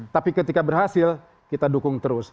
tapi ketika berhasil kita dukung terus